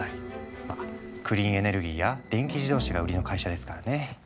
まあクリーンエネルギーや電気自動車が売りの会社ですからね。